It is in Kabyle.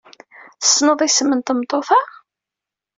Tessneḍ isem n tmeṭṭut-a?